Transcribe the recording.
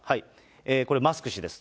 これ、マスク氏です。